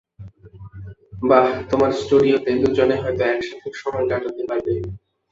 বাহ, তোমার স্টডিওতে দুজনে হয়তো একসাথে সময় কাটাতে পারবে।